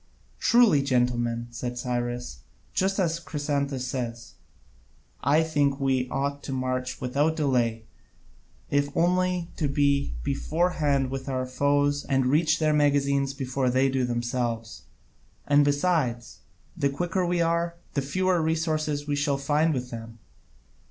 "Truly, gentlemen," said Cyrus, "as Chrysantas says, I think we ought to march without delay, if only to be beforehand with our foes, and reach their magazines before they do themselves; and besides, the quicker we are, the fewer resources we shall find with them.